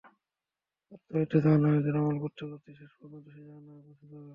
আমৃত্যু জাহান্নামীদের আমল করতে করতেই শেষ পর্যন্ত সে জাহান্নামে পৌঁছে যাবে।